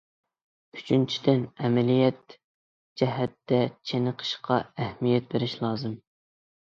ئۈچىنچىدىن، ئەمەلىيەت جەھەتتە چېنىقىشقا ئەھمىيەت بېرىش لازىم.